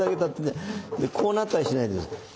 こうなったりしないで。